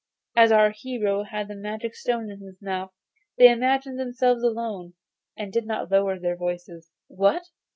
As our hero had the magic stone in his mouth they imagined themselves alone, and did not lower their voices. 'What!